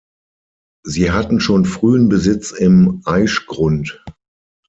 Sie hatten schon frühen Besitz im Aischgrund.